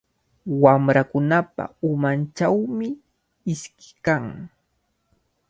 Wamrakunapa umanchawmi iski kan.